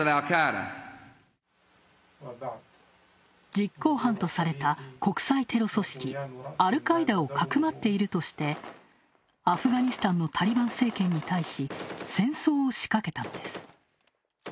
実行犯とされた国際テロ組織アルカイダをかくまっているとしてアフガニスタンのタリバン政権に対し戦争を仕掛けたのです。